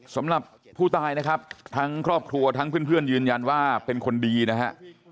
สำหรับผู้ตายนะครับทั้งครอบครัวทั้งเพื่อนยืนยันว่าเป็นคนดีนะฮะ